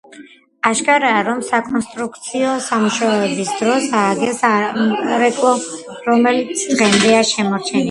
აშკარაა, რომ სარეკონსტრუქციო სამუშაოების დროს ააგეს სამრეკლო, რომელიც დღემდეა შემორჩენილი.